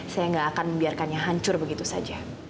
saya nggak akan membiarkannya hancur begitu saja